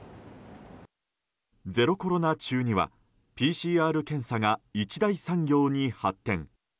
ゼロコロナ中にはＰＣＲ検査が一大産業に発展。